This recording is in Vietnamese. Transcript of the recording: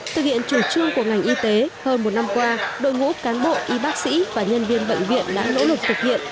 thực hiện chủ trương của ngành y tế hơn một năm qua đội ngũ cán bộ y bác sĩ và nhân viên bệnh viện đã nỗ lực thực hiện